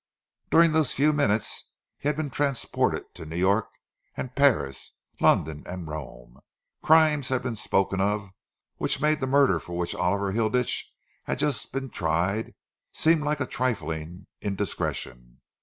During those few minutes he had been transported to New York and Paris, London and Rome. Crimes had been spoken of which made the murder for which Oliver Hilditch had just been tried seem like a trifling indiscretion.